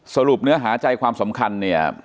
สรุปเนื้อหาใจความสำคัญเนี่ย